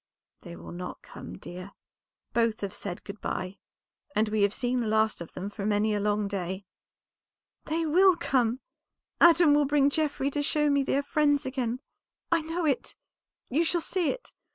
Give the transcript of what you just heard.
"They will not come, dear; both have said good by, and we have seen the last of them for many a long day." "They will come! Adam will bring Geoffrey to show me they are friends again. I know it; you shall see it.